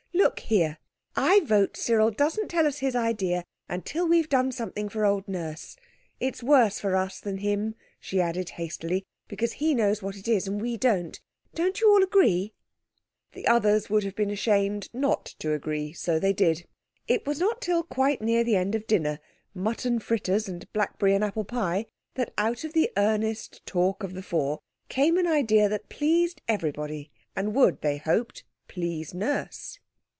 "Look here! I vote Cyril doesn't tell us his idea until we've done something for old Nurse. It's worse for us than him," she added hastily, "because he knows what it is and we don't. Do you all agree?" The others would have been ashamed not to agree, so they did. It was not till quite near the end of dinner—mutton fritters and blackberry and apple pie—that out of the earnest talk of the four came an idea that pleased everybody and would, they hoped, please Nurse.